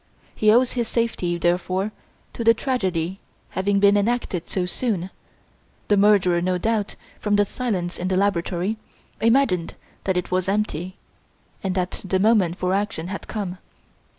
He owes his safety, therefore, to the tragedy having been enacted too soon, the murderer, no doubt, from the silence in the laboratory, imagined that it was empty, and that the moment for action had come.